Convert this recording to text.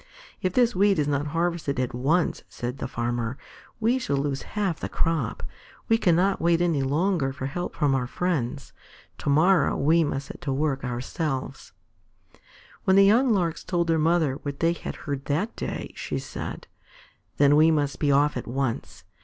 "If this wheat is not harvested at once," said the Farmer, "we shall lose half the crop. We cannot wait any longer for help from our friends. Tomorrow we must set to work, ourselves." When the young Larks told their mother what they had heard that day, she said: "Then we must be off at once.